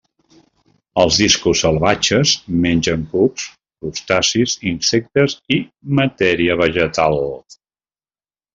Els discos salvatges mengen cucs, crustacis, insectes i matèria vegetal.